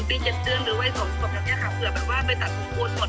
ปี๗เดือนหรือวัย๒ขวบแบบนี้ค่ะเผื่อแบบว่าไปตัดผมพูดหมด